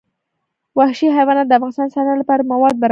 وحشي حیوانات د افغانستان د صنعت لپاره مواد برابروي.